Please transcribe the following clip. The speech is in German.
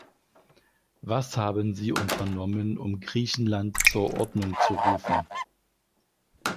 Was haben Sie unternommen, um Griechenland zur Ordnung zu rufen?